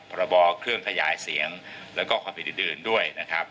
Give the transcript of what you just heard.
ระบอเครื่องขยายเสียงแล้วก็ความผิดอื่นด้วยนะครับ